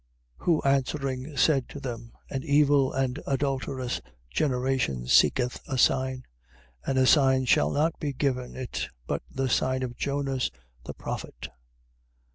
Who answering said to them: An evil and adulterous generation seeketh a sign: and a sign shall not be given it, but the sign of Jonas the prophet.